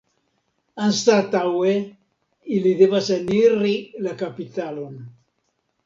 Anstataŭe ili devas eniri la kapitalon.